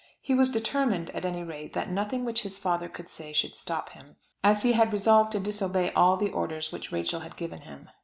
He was determined at any rate that nothing which his father could say should stop him, as he had resolved to disobey all the orders which Rachel had given him.